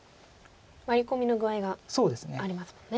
ワリコミの具合がありますもんね。